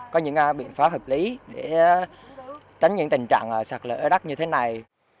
có những biện pháp hợp lý để tránh những tình trạng sạt lở đắt như thế này